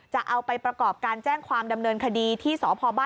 จะเอาไปประกอบการแจ้งความดำเนินคดีที่สพบ้าน